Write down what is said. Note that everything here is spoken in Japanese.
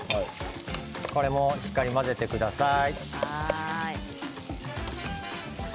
これもしっかり混ぜてください。